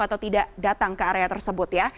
atau tidak datang ke area tersebut ya